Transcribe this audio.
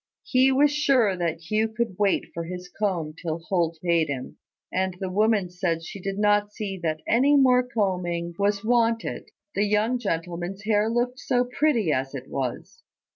He was sure that Hugh could wait for his comb till Holt paid him, and the woman said she did not see that any more combing was wanted: the young gentleman's hair looked so pretty as it was.